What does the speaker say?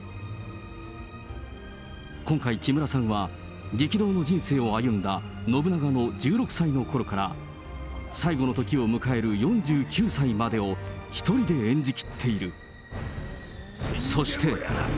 今回、木村さんは、激動の人生を歩んだ信長の１６歳のころから、最後の時を迎える４９歳までを１人で演じきっている。そして。